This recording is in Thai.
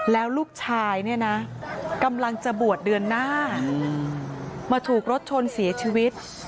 แล้วลูกชายเนี่ยนะกำลังจะบวชเดือนหน้ามาถูกรถชนเสียชีวิต